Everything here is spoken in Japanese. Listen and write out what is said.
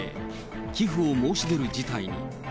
寄付を申し出る事態に。